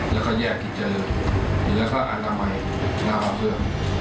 แล้วก็แยกกิจริงแล้วก็อนามัยนาภาพเฟือง